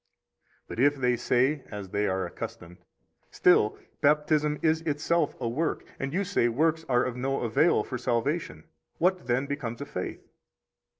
35 But if they say, as they are accustomed: Still Baptism is itself a work, and you say works are of no avail for salvation; what, then, becomes of faith?